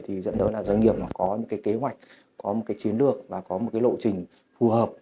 thì doanh nghiệp có những kế hoạch có một chiến lược và có một lộ trình phù hợp